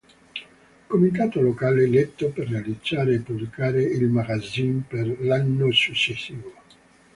Comitato locale eletto per realizzare e pubblicare il "Magazine" per l'anno successivo.